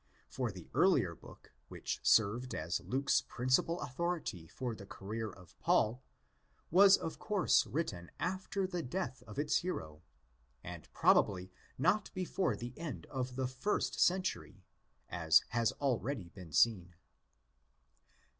For the earlier book which served as Luke's principal authority for the career of Paul, was of course written after the death of its hero, and probably not before the end of the first century, as has already been seen.